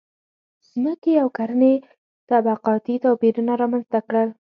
• ځمکې او کرنې طبقاتي توپیرونه رامنځته کړل.